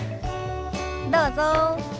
どうぞ。